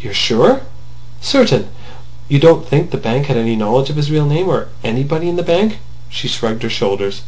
"You are sure?" "Certain." "You don't think the bank had any knowledge of his real name? Or anybody in the bank or—" She shrugged her shoulders.